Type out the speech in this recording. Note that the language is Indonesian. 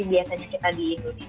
biasanya kita di indonesia